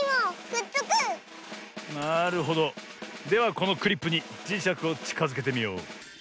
このクリップにじしゃくをちかづけてみよう。